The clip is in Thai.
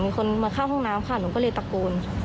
มีคนมาเข้าห้องน้ำค่ะหนูก็เลยตะโกน